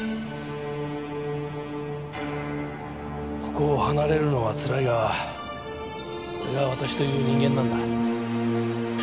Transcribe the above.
ここを離れるのはつらいがこれが私という人間なんだ。